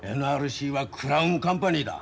ＮＲＣはクラウンカンパニーだ。